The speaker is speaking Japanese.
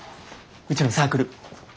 うちのサークル。